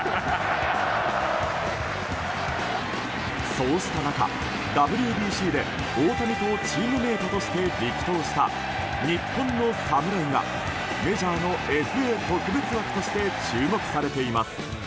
そうした中、ＷＢＣで大谷とチームメートとして力投した日本の侍がメジャーのＦＡ特別枠として注目されています。